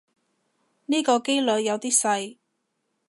呢個機率有啲細